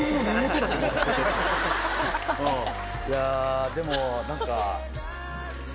いやでも何か。